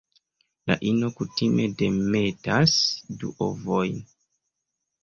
La ino kutime demetas du ovojn.